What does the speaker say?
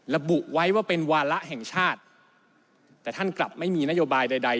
ระบุไว้ว่าเป็นวาระแห่งชาติแต่ท่านกลับไม่มีนโยบายใดใด